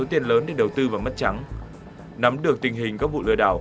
thì là riêng cái bạn mà mình nói chuyện